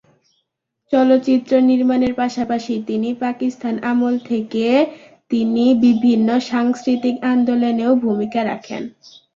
চলচ্চিত্র নির্মাণের পাশাপাশি তিনি পাকিস্তান আমল থেকে তিনি বিভিন্ন সাংস্কৃতিক আন্দোলনেও ভূমিকা রাখেন।